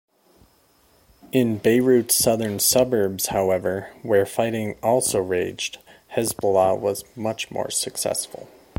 In Beirut's southern suburbs however, where fighting also raged, Hizballah was much more successful.